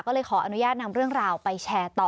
ก็เลยขออนุญาตนำเรื่องราวไปแชร์ต่อ